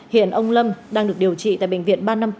hiện ông lâm đang được điều trị tại bệnh viện ba trăm năm mươi bốn